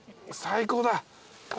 最高だ！